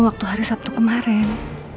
waktu hari sabtu kemarin